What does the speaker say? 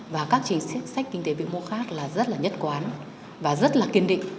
và các chính sách kinh tế vĩ mô khác là rất là nhất quán và rất là kiên định